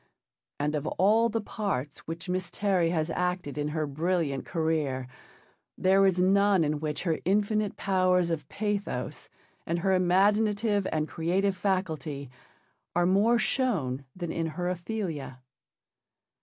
And of all the parts which Miss Terry has acted in her brilliant career, there is none in which her infinite powers of pathos and her imaginative and creative faculty are more shown than in her Ophelia.